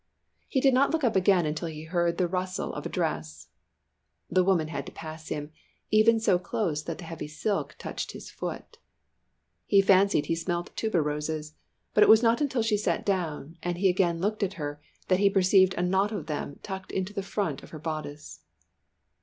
He did not look up again until he heard the rustle of a dress. The woman had to pass him even so close that the heavy silk touched his foot. He fancied he smelt tuberoses, but it was not until she sat down, and he again looked at her, that he perceived a knot of them tucked into the front of her bodice.